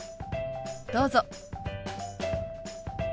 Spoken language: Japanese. どうぞ。